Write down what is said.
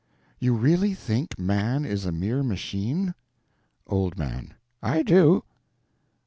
You really think man is a mere machine? Old Man. I do.